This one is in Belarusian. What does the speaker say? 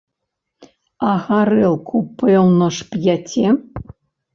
А гарэлку пэўна ж п'яце?